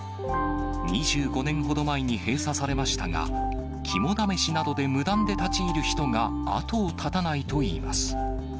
２５年ほど前に閉鎖されましたが、肝試しなどで無断で立ち入る人が後を絶たないといいます。